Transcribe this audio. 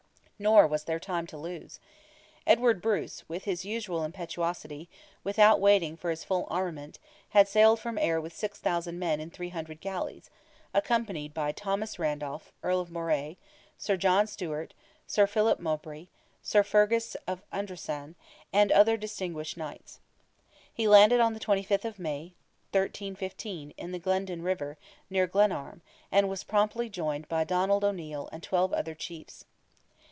Nor was there time to lose. Edward Bruce, with his usual impetuosity, without waiting for his full armament, had sailed from Ayr with 6,000 men in 300 galleys, accompanied by Thomas Randolph, Earl of Moray, Sir John Stuart, Sir Philip Moubray, Sir Fergus of Ardrossan, and other distinguished knights. He landed on the 25th day of May, 1315, in the Glendun river, near Glenarm, and was promptly joined by Donald O'Neil, and twelve other chiefs.